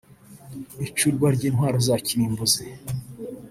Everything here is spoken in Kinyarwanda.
icurwa ry’intwaro za kirimbuzi